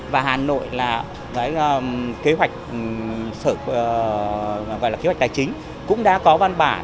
và hà nội là kế hoạch tài chính cũng đã có văn bản